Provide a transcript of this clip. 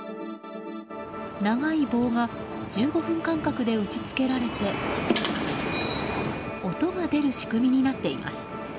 長い棒が１５分間隔で打ち付けられて音が出る仕組みになっています。